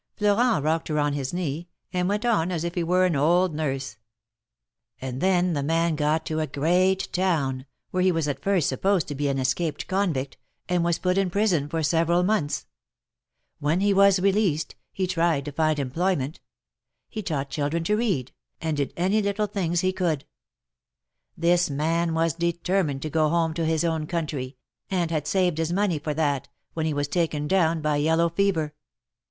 Florent rocked her on his knee, and went on as if he were an old nurse. ^^And then the man got to a great town, where he was at first supposed to be an escaped convict, and was put in prison for several months. When he was released, he tried to find employment; he taught children to read, and 120 THE MAEKETS OF PAEIS. did any little things he could. This man was determined to go home to his own country, and had saved his money for that, when he was taken down by yellow fever.